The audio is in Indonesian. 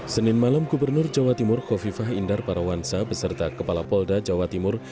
senin malam gubernur jawa timur kofifah indar parawansa beserta kepala polda jawa timur